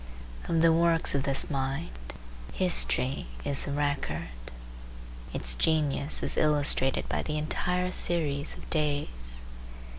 Of the works of this mind history is the record. Its genius is illustrated by the entire series of days.